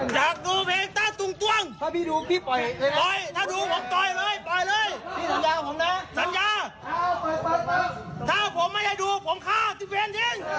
อย่าดูผมค่ะทิ้งทิ้ง